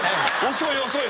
遅い遅い！